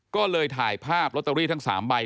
ก็เลยถ่ายภาพลอตเตอรี่ทั้ง๓ใบ